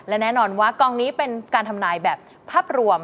และแน่นอนว่ากองนี้เป็นการทำนายแบบภาพรวม